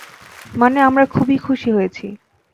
মানে আমরা খুবই খুশি হয়েছি।